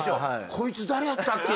こいつ誰やった？